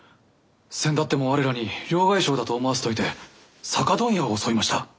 せんだっても我らに両替商だと思わせておいて酒問屋を襲いました。